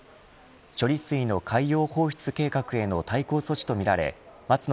処理水の海洋放出計画への対抗措置とみられ松野